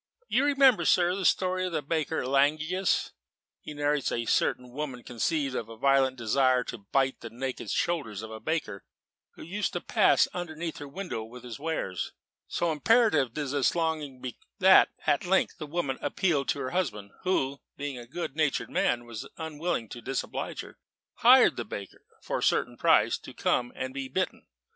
"You remember, sir, the story of the baker in Langius? He narrates that a certain woman conceived a violent desire to bite the naked shoulders of a baker who used to pass underneath her window with his wares. So imperative did this longing become, that at length the woman appealed to her husband, who (being a good natured man, and unwilling to disoblige her) hired the baker, for a certain price, to come and be bitten.